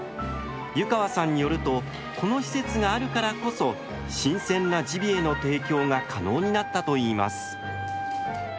湯川さんによるとこの施設があるからこそ新鮮なジビエの提供が可能になったといいます。